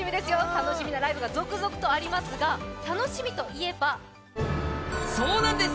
楽しみなライブが続々とありますが楽しみといえばそうなんです！